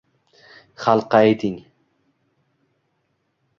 Xalqqa ayting